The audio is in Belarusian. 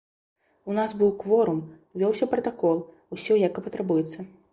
У нас быў кворум, вёўся пратакол, усё як і патрабуецца.